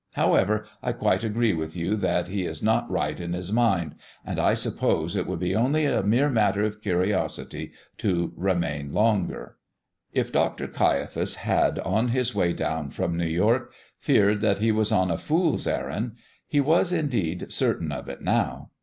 However, I quite agree with you that he is not right in his mind, and I suppose it would be only a mere matter of curiosity to remain longer." If Dr. Caiaphas had on his way down from New York feared that he was on a fool's errand, he was, indeed, certain of it now.